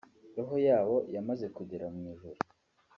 roho yabo yamaze kugera mu ijuru